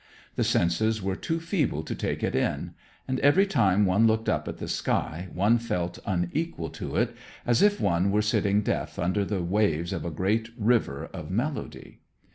The senses were too feeble to take it in, and every time one looked up at the sky one felt unequal to it, as if one were sitting deaf under the waves of a great river of melody.